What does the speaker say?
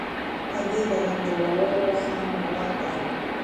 هګۍ د رنګ جوړولو خام مواد ده.